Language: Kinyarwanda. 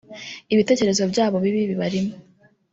Ibitekerezo byabo bibi bibarimo